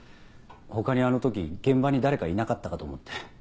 他にあの時現場に誰かいなかったかと思って。